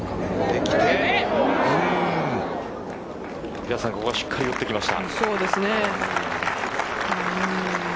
平瀬さん、ここはしっかり打ってきました。